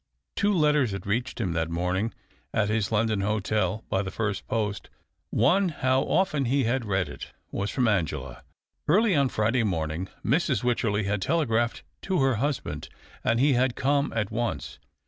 Two letters had reached him that morning at his London hotel by the first post, one — how often he had read it !— was from Angela. Early on Friday morning Mrs. Wycherley had telegraphed to her husband, and he had come at once.